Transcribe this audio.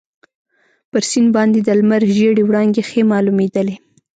پر سیند باندي د لمر ژېړې وړانګې ښې معلومیدلې.